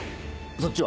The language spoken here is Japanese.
そっちは？